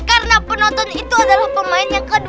karena penonton itu adalah pemain yang ke dua belas